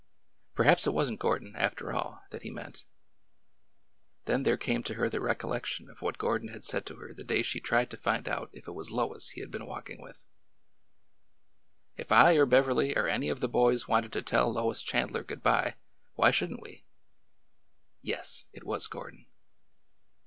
Perhaps it was n't Gordon, after all, that he meant Then there came to her the recollection of what Gordon had said to her the day she tried to find out if it was Lois he had been walking with : If I or Beverly or any of the boys wanted to tell Lois Chandler good by, why shouldn't we?" ... Yes, it was Gordon!